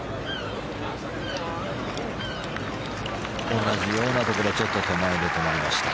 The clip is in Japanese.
同じようなところのちょっと手前で止まりました。